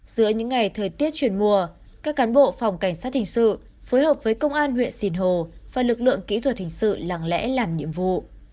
giữa những ngày thời tiết chuyển mùa các cán bộ phòng cảnh sát hình sự phối hợp với công an huyện sinh hồ và lực lượng kỹ thuật hình sự lặng lẽ làm nhiệm vụ